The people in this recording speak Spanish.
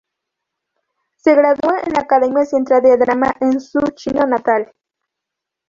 Se graduó en la Academia Central de Drama en su China natal.